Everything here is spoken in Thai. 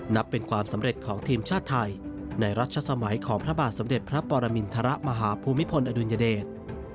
นับเป็นความสำเร็จของทีมชาติไทยในรัชสมัยของพระบาทสมเด็จพระปรมินทรมาฮภูมิพลอดุลยเดช